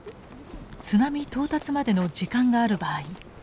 津波到達までの時間がある場合